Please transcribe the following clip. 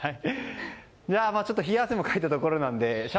ちょっと冷や汗もかいたところなので。